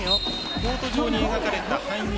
コート上に描かれた半円。